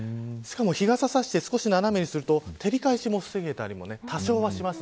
日傘を差して少し斜めにすると照り返しも多少は防げたりはします。